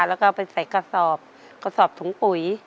แล้วก็ไปใส่กระสอบกระสอบถุงปุ๋ย